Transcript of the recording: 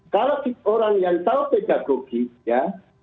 kalau orang yang tahu pegagoki ya